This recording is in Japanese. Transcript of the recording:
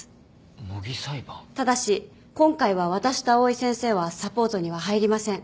ただし今回は私と藍井先生はサポートには入りません。